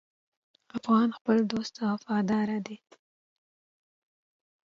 افغان خپل دوست ته وفادار دی.